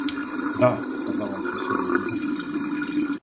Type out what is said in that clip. «Да! – сказал он с веселым видом.